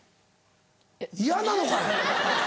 嫌なのかい！